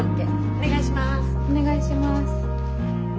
お願いします。